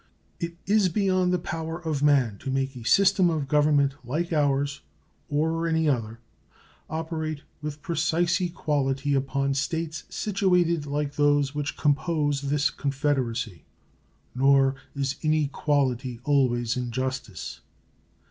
It is beyond the power of man to make a system of government like ours or any other operate with precise equality upon States situated like those which compose this Confederacy; nor is inequality always injustice.